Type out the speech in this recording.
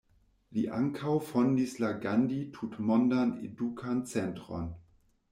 Li ankaŭ fondis la Gandhi Tutmondan Edukan Centron.